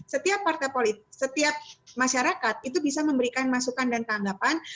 setiap masyarakat itu bisa memberikan masukan dan tanggapan